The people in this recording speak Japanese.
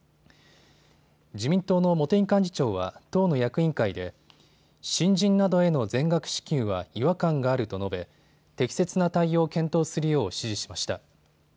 自民党の茂木幹事長は党の役員会で新人などへの全額支給は違和感があると述べ適切な対応を検討するよう指示しました。